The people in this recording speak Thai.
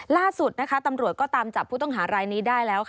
ล่าสุดตำรวจก็ตามจับผู้ต้องหารายนี้ได้แล้ว